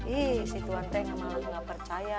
ih si tuhan teh malah nggak percaya